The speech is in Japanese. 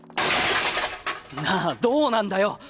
なあどうなんだよ！